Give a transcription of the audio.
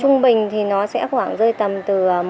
trung bình thì nó sẽ khoảng rơi tầm từ